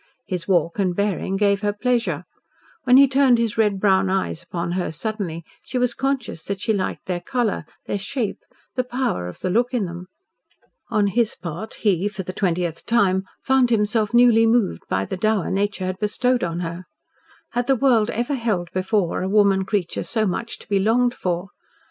His walk and bearing gave her pleasure. When he turned his red brown eyes upon her suddenly she was conscious that she liked their colour, their shape, the power of the look in them. On his part, he for the twentieth time found himself newly moved by the dower nature had bestowed on her. Had the world ever held before a woman creature so much to be longed for?